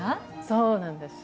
そうなんです。